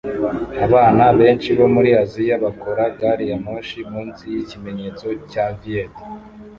Abana benshi bo muri Aziya bakoze gari ya moshi munsi yikimenyetso cya viet